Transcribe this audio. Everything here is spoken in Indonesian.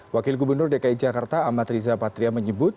wakil gubernur dki jakarta amat riza patria menyebut